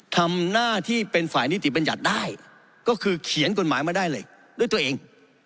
ทำหน้าที่เป็นฝ่ายนิติบัญญัติได้ก็คือเขียนกฎหมายมาได้เลยด้วยตัวเอง